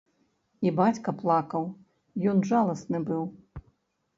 І бацька плакаў, ён жаласны быў.